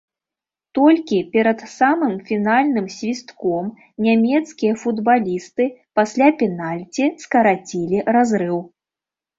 Толькі перад самым фінальным свістком нямецкія футбалісты пасля пенальці скарацілі разрыў.